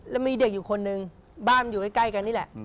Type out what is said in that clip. แล้วมีเด็กอยู่คนนึงบ้านอยู่ใกล้กันนี่แหละ